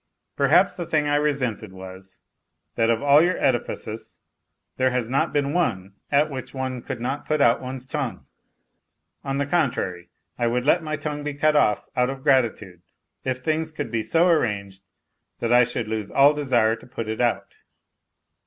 Perhaps the thing I resented was, that of all your edifices 78 NOTES FROM UNDERGROUND there has not been one at which one could not put out one's tongue. On the contrary, I would let my tongue be cut off out of gratitude if things could be so arranged that I should lose all desire to put it out.